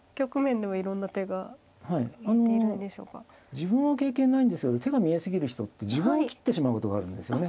自分は経験ないんですけど手が見え過ぎる人って自分を切ってしまうことがあるんですよね。